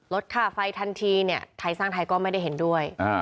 รถทาไฟทันทีฐาธิก็ไม่ได้เห็นด้วย